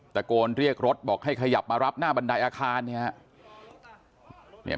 ตะโกนเรียกรถบอกให้ขยับมารับหน้าบันไดอาคารเนี่ยครับ